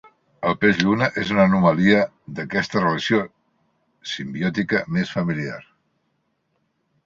El peix lluna és una anomalia d'aquesta relació simbiòtica més familiar.